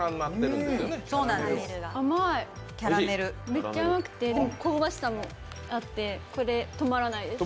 甘い、めっちゃ甘くて香ばしさもあって止まらないです。